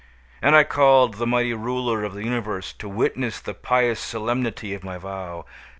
And I called the Mighty Ruler of the Universe to witness the pious solemnity of my vow.